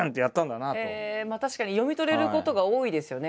確かに読み取れることが多いですよね